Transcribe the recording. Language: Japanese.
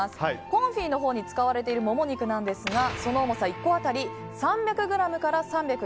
コンフィのほうに使われているモモ肉ですがその重さ、１個当たり３００ｇから３２０ｇ